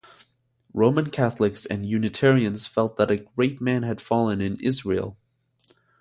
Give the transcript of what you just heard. Roman Catholics and Unitarians felt that a great man had fallen in Israel.